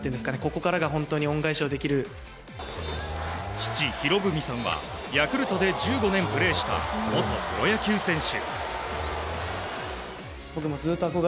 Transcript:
父・博文さんはヤクルトで１５年プレーした元プロ野球選手。